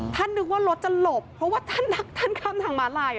นึกว่ารถจะหลบเพราะว่าท่านรักท่านข้ามทางมาลาย